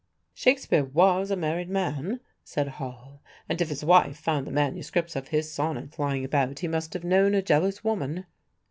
"Shakespeare was a married man," said Hall, "and if his wife found the MSS. of his sonnets lying about he must have known a jealous woman."